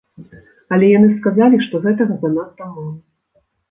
Але яны сказалі, што гэтага занадта мала.